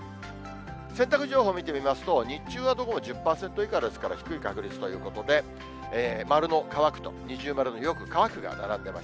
洗濯情報見てみますと、日中はどこも１０％以下ですから、低い確率ということで、丸の乾くと二重丸のよく乾くが並んでます。